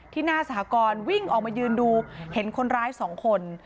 ที่หน้าสหกรณ์วิ่งออกมายืนดูเห็นคนร้ายสองคน